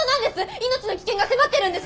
命の危険が迫ってるんです！